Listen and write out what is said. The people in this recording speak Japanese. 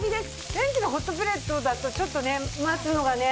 電気のホットプレートだとちょっとね待つのがね